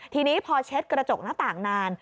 ทีนี้พอเช็ดกระจกหน้าต่างนาน